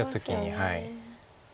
はい。